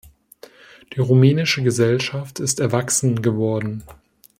Die rumänische Gesellschaft ist erwachsen geworden.